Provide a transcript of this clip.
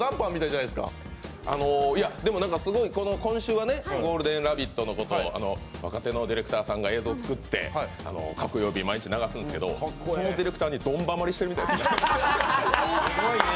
今週はゴールデン「ラヴィット！」のことを若手のディレクターさんが映像作って各曜日流すんですけどそのディレクター、ドンバマりしているみたいですね。